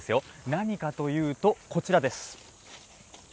何かというと、こちらです。